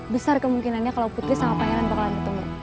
besar kemungkinannya kalo putri sama panyalan bakalan bertemu